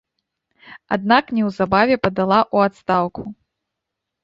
Аднак неўзабаве падала ў адстаўку.